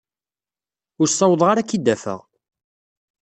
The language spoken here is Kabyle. Ur ssawḍeɣ ara ad k-id-afeɣ.